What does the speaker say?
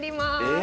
え？